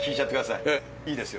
いいですよ